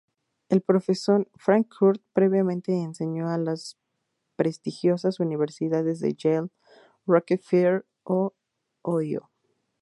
El profesor Frankfurt previamente enseñó en las prestigiosas Universidades de Yale, Rockefeller y Ohio.